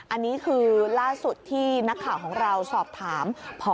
อันนี้คือล่าสุดที่นักข่าวของเราสอบถามพอ